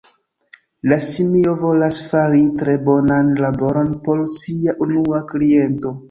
La simio volas fari tre bonan laboron por sia unua kliento.